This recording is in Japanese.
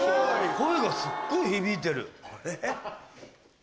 声がすっごい響いてる。